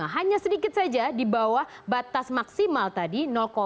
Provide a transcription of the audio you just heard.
hanya sedikit saja di bawah batas maksimal tadi